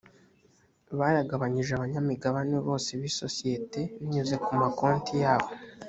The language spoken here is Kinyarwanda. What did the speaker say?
bayagabanyije abanyamigabane bose b’isosiyete binyuze ku ma konti yabo